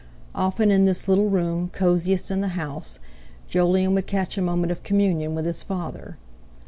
Often in this little room, cosiest in the house, Jolyon would catch a moment of communion with his father.